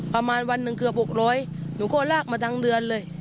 ประมาณวันหนึ่งเกือบ๖๐๐หนูก็ลากมาทั้งเดือนเลย